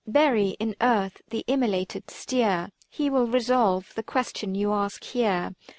Bury, in earth, the immolated steer, He will resolve the question you ask here."